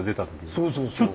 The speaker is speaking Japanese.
そうそうそう。